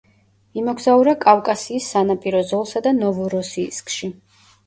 იმოგზაურა კავკასიის სანაპირო ზოლსა და ნოვოროსიისკში.